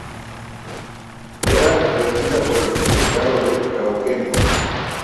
Era regida por el Subdelegado de Cauquenes.